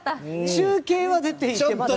中継は出てます。